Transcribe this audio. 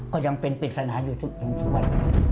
ก็ยังเป็นปริศนาอยู่ทุกชั่วครับ